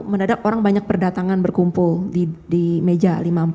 mendadak orang banyak berdatangan berkumpul di meja lima puluh empat